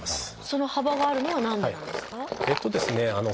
その幅があるのは何でなんですか？